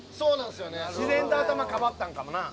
自然と頭かばったんかもな。